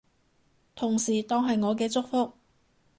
同時當係我嘅祝福